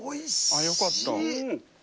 あよかった。